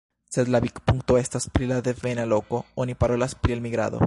Se la vidpunkto estas pri la devena loko, oni parolas pri elmigrado.